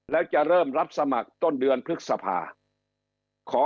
แล้วจะเริ่มรับสมัครต้นเดือนพฤษภาขอ